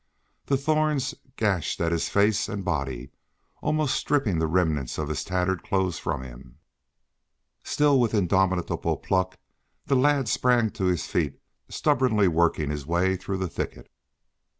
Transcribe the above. The thorns gashed his face and body, almost stripping the remnants of his tattered clothes from him. Still, with indomitable pluck, the lad sprang to his feet, stubbornly working his way through the thicket.